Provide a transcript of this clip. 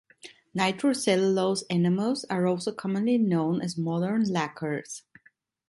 Nitro-cellulose enamels are also commonly known as modern lacquers.